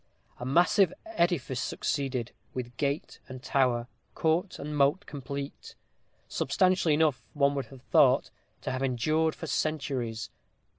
A massive edifice succeeded, with gate and tower, court and moat complete; substantial enough, one would have thought, to have endured for centuries.